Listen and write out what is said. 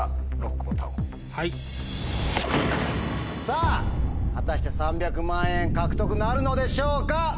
さぁ果たして３００万円獲得なるのでしょうか